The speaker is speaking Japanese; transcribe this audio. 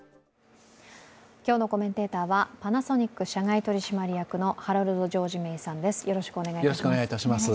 今日のコメンテーターはパナソニック社外取締役のハロルド・ジョージ・メイさんです。